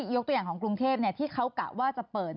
ยกตัวอย่างของกรุงเทพที่เขากะว่าจะเปิด